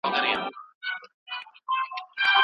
مېلمه په دروازه کي نه دریږي.